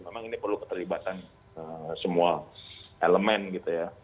memang ini perlu keterlibatan semua elemen gitu ya